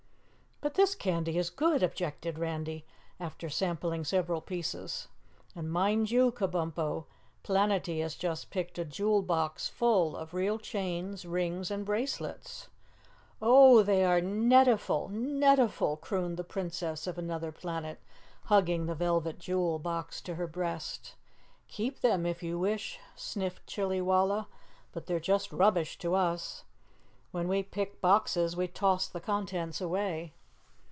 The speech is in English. "But this candy is good," objected Randy after sampling several pieces. "And mind you, Kabumpo, Planetty has just picked a jewel box full of real chains, rings and bracelets." "Oh, they are netiful, netiful," crooned the Princess of Anuther Planet, hugging the velvet jewel box to her breast. "Keep them if you wish," sniffed Chillywalla, "but they're just rubbish to us. When we pick boxes we toss the contents away."